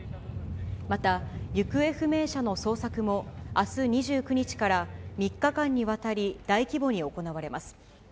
また、行方不明者の捜索もあす２９日から、３日間にわたり、大規模に行われます。